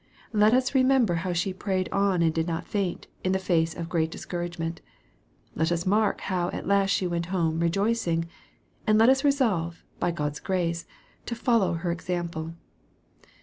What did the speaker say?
Let us remember how she prayed on and did not faint, in the face of great discouragement. Let us mark how at last she went home rejoicing, and let us resolve, by God's grace, to follow her example.